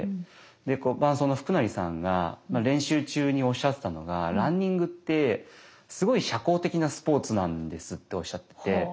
伴走の福成さんが練習中におっしゃってたのがランニングってすごい社交的なスポーツなんですっておっしゃってて。